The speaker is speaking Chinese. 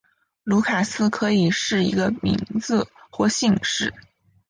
卢卡斯可以是一个名字或姓氏。